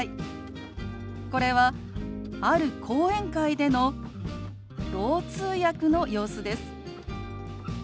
これはある講演会でのろう通訳の様子です。